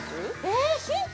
えーヒント？